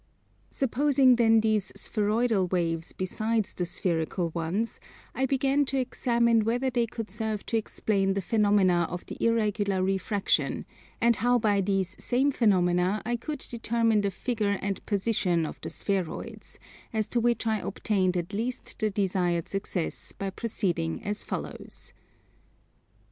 22. Supposing then these spheroidal waves besides the spherical ones, I began to examine whether they could serve to explain the phenomena of the irregular refraction, and how by these same phenomena I could determine the figure and position of the spheroids: as to which I obtained at last the desired success, by proceeding as follows.